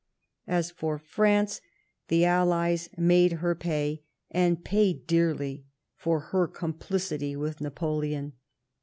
As for France, the Allies made her pay, and pay dearly, for her complicity with Napoleon.